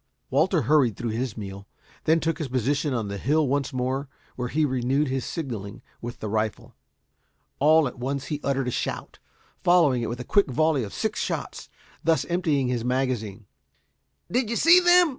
Walter hurried through his meal, then took his position on the hill once more, where he renewed his signaling with the rifle. All at once he uttered a shout, following it with a quick volley of six shots, thus emptying his magazine. "Do you see them!"